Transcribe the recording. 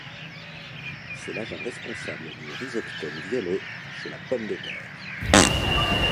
C'est l'agent responsable du rhizoctone violet chez la pomme de terre.